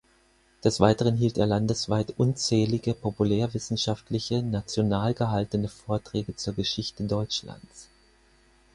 Des Weiteren hielt er landesweit unzählige populärwissenschaftliche, national gehaltene Vorträge zur Geschichte Deutschlands.